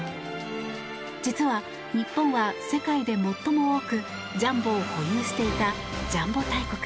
実は、日本は世界で最も多くジャンボを保有していたジャンボ大国。